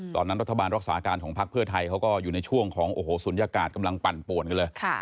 ตอนนั้นรัฐบาลรักษาการของพักเพื่อไทยเขาก็อยู่ในช่วงของโอ้โหศูนยากาศกำลังปั่นป่วนกันเลย